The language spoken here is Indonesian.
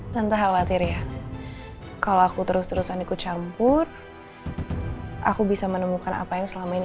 tentu khawatir ya kalau aku terus terusan ikut campur aku bisa menemukan apa yang selama ini